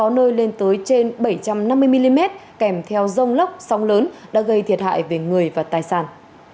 có nơi lên tới trên bảy trăm năm mươi mm kèm theo rông lốc sóng lớn đã gây thiệt hại về người và tài sản